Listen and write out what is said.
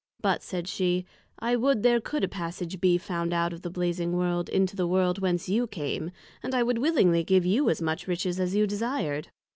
But, said she, I would there could a Passage be found out of the Blazing World, into the World whence you came, and I would willingly give you as much Riches as you desir'd.